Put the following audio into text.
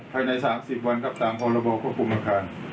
ภายในสามสิบวันครับตามภาระบอกของคุมอาคาร